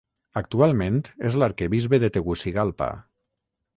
Actualment és l'arquebisbe de Tegucigalpa.